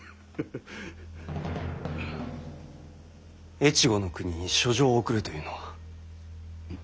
越後国に書状を送るというのは？